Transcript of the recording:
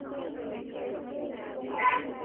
毕业于解放军后勤指挥学院军队管理学专业。